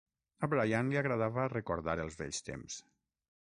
A Brian li agradava recordar els vells temps.